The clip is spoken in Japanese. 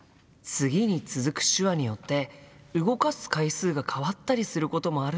次に続く手話によって動かす回数が変わったりすることもあるんだ。